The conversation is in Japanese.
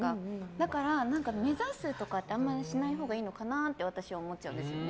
だから、目指すとかってあんまりしないほうがいいのかなって私は思っちゃうんですね。